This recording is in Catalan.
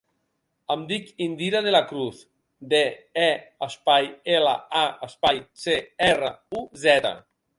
Em dic Indira De La Cruz: de, e, espai, ela, a, espai, ce, erra, u, zeta.